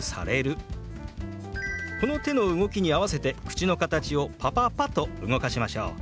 この手の動きに合わせて口の形を「パパパ」と動かしましょう。